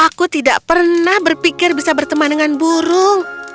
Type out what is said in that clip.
aku tidak pernah berpikir bisa berteman dengan burung